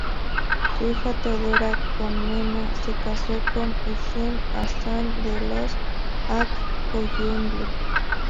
Su hija Teodora Comnena se casó con Uzun Hasan de los Ak Koyunlu.